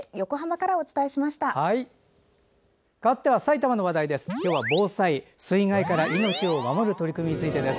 かわっては埼玉の話題です。